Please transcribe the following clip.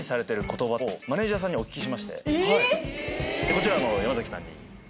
こちら山崎さんに。